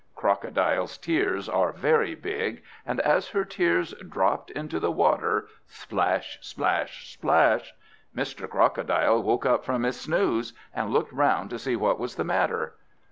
Crocodile's tears are very big, and as her tears dropped into the water, splash, splash, splash, Mr. Crocodile woke up from his snooze, and looked round to see what was the matter.